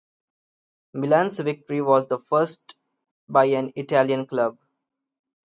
Milan's victory was the first by an Italian club.